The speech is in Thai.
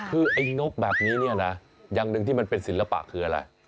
คือไอ้นกแบบนี้เนี่ยนะอย่างหนึ่งที่มันเป็นศิลปะคืออะไร